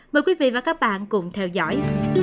mời quý vị và các bạn cùng theo dõi